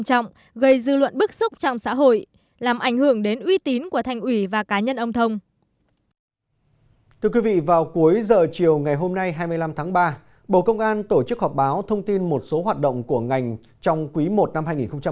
công an tổ chức họp báo thông tin một số hoạt động của ngành trong quý i năm hai nghìn một mươi chín